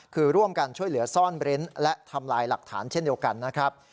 คือร่วมกันช่วยเหลือซ่อนเร้นและทำลายหลักฐานเช่นเดียวกันนะครับ